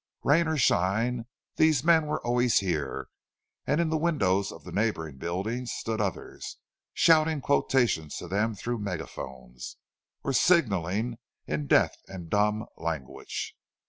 Rain or shine, these men were always here; and in the windows of the neighbouring buildings stood others shouting quotations to them through megaphones, or signalling in deaf and dumb language.